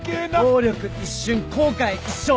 暴力一瞬後悔一生！